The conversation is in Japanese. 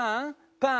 パン！